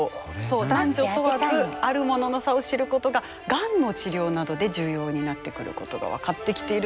男女問わずあるものの差を知ることががんの治療などで重要になってくることが分かってきているんです。